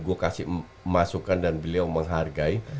gue kasih masukan dan beliau menghargai